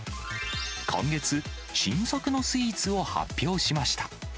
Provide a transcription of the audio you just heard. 今月、新作のスイーツを発表しました。